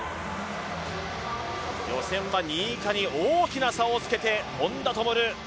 予選は２位以下に大きな差をつけて本多灯。